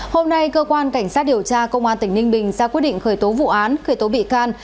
hôm nay cơ quan cảnh sát điều tra công an tỉnh ninh bình ra quyết định khởi tố vụ án khởi tố bị can